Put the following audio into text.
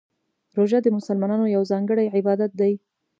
روژه د مسلمانانو یو ځانګړی عبادت دی.